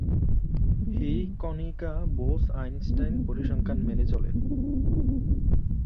এই কণিকা বোস-আইনস্টাইন পরিসংখ্যান মেনে চলে।